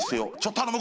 頼む！